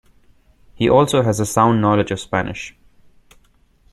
He also has a sound knowledge of Spanish.